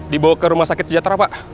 dibawa ke rumah sakit sejahtera pak